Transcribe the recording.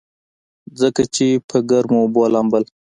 ځکه چې پۀ ګرمو اوبو لامبل